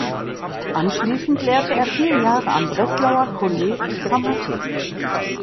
Anschließend lehrte er vier Jahre am Breslauer Kolleg Grammatik.